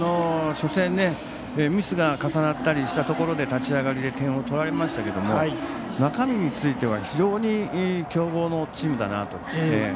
初戦、ミスが重なったりしたところで立ち上がりで点を取られましたが中身については非常に強豪のチームだなと。